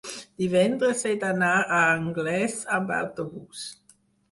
divendres he d'anar a Anglès amb autobús.